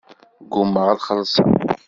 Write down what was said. Ggumaɣ ad xellṣeɣ.